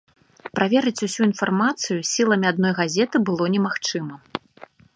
Праверыць усю інфармацыю сіламі адной газеты было немагчыма.